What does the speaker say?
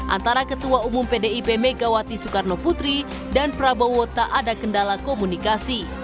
antara ketua umum pdip megawati soekarno putri dan prabowo tak ada kendala komunikasi